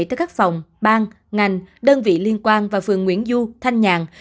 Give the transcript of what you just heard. tới các phòng bang ngành đơn vị liên quan và phường nguyễn du thanh nhạc